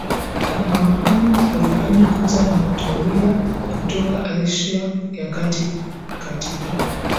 kuhamahama walipenya kwanza Anatolia kutoka Asia ya Kati katika